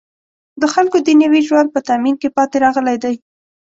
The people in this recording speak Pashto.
د خلکو دنیوي ژوند په تأمین کې پاتې راغلی دی.